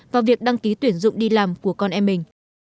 vào việc đăng ký tuyển dụng đi làm của con em mình